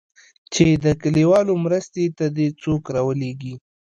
چې د کليوالو مرستې ته دې څوک راولېږي.